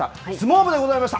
相撲部でございました。